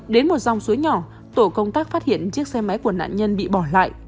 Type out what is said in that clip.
đến một dòng suối nhỏ tổ công tác phát hiện chiếc xe máy của nạn nhân bị bỏ lại